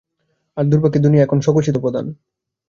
আর দুর্ভাগ্যের দুনিয়ার স্বঘোষিত প্রধান।